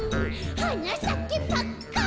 「はなさけパッカン」